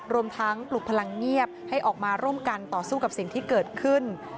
รวมทั้งปลุกพลังเงียบให้ออกมาร่วมกันต่อสู้กับสิ่งที่เกิดขึ้น